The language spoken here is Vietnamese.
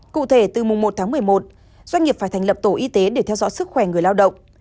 cụ thể từ mùng một tháng một mươi một doanh nghiệp phải thành lập tổ y tế để theo dõi sức khỏe người lao động